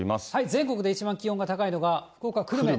全国で一番気温が高いのが、福岡・久留米。